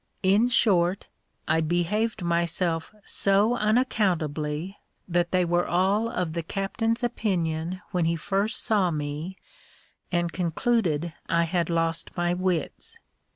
In short, I behaved myself so unaccountably that they were all of the captain's opinion when he first saw me, and concluded I had lost my wits.